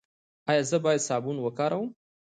ایا زه باید صابون وکاروم؟